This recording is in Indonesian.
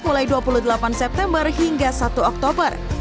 mulai dua puluh delapan september hingga satu oktober